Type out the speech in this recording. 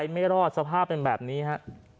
ไม่รอดสภาพเป็นแบบนี้ฮะ